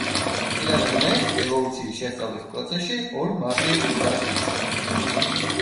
პირადად მე, ევოლუციის შესწავლის პროცესში ორ მარტივ გზას ვირჩევ.